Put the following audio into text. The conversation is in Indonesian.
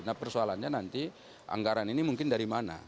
nah persoalannya nanti anggaran ini mungkin dari mana